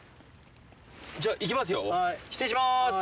じゃあ行きますよ失礼します。